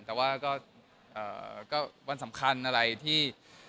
แต่ว่าก็วันสำคัญอะไรที่